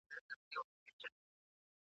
روښانه فکر ځواک نه دروي.